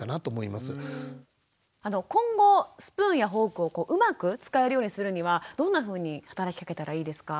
今後スプーンやフォークをうまく使えるようにするにはどんなふうに働きかけたらいいですか？